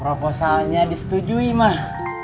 proposalnya disetujui mah